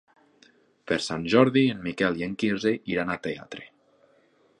Per Sant Jordi en Miquel i en Quirze iran al teatre.